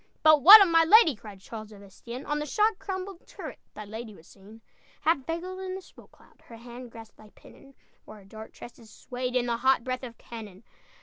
"But what of my lady?" Cried Charles of Estienne. "On the shot crumbled turret Thy lady was seen: "Half veiled in the smoke cloud, Her hand grasped thy pennon, While her dark tresses swayed In the hot breath of cannon!